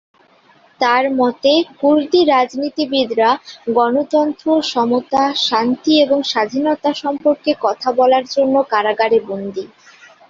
তার মতে, কুর্দি রাজনীতিবিদরা "গণতন্ত্র, সমতা, শান্তি এবং স্বাধীনতা" সম্পর্কে কথা বলার জন্য কারাগারে বন্দী।